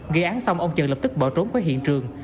gây án xong ông trần lập tức bỏ trốn khỏi hiện trường